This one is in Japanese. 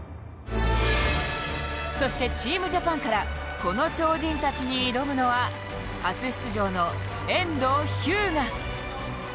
そしてチームジャパンからこの超人たちに挑むのは、初出場の遠藤日向。